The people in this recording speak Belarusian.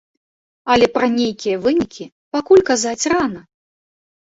Але пра нейкія вынікі пакуль казаць рана.